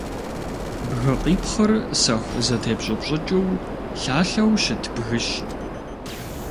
Бгыкъипхъыр сэху зэтепщӏыпщӏыкӏыу, лъалъэу щыт бгыщ.